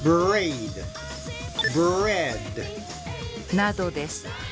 などです。